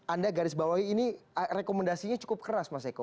anda garis bawahi ini rekomendasinya cukup keras mas eko